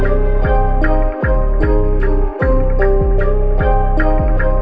apa yang mau lo bicara